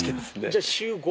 じゃあ週５？